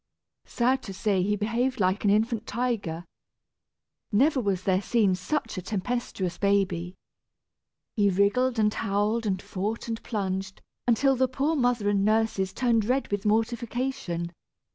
Sad to say, he behaved like an infant tiger. Never was there seen such a tempestuous baby. He wriggled, and howled, and fought, and plunged, until the poor mother and nurses turned red with mortification.